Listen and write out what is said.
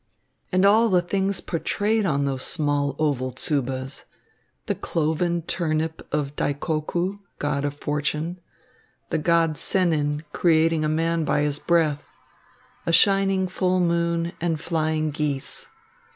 And all the things portrayed on those small oval tsubas! The cloven turnip of Daikoku, god of fortune. The god Sennin creating a man by his breath. A shining full moon and flying geese.